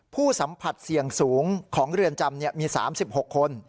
ผู้สัมผัสเสี่ยงสูงของเรือนจำมี๓๖คน